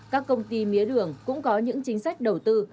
các công ty mía đường cũng có những chính sách đầu tư